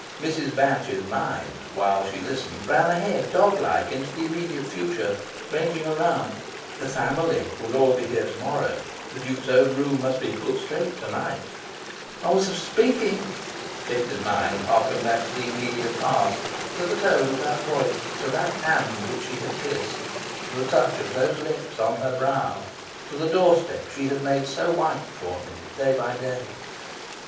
Mrs. Batch's mind, while she listened, ran ahead, dog like, into the immediate future, ranging around: "the family" would all be here to morrow, the Duke's own room must be "put straight" to night, "I was of speaking"... Katie's mind harked back to the immediate past to the tone of that voice, to that hand which she had kissed, to the touch of those lips on her brow, to the door step she had made so white for him, day by day...